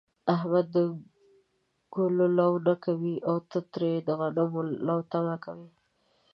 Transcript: احمد د گلو لو نه کوي، او ته ترې د غنمو لو تمه کوې.